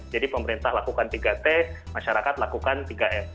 jadi pemerintah lakukan tiga t masyarakat lakukan tiga m